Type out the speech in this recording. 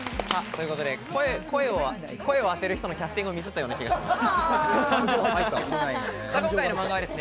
ということで声を当てる人のキャスティングをミスったような気がします。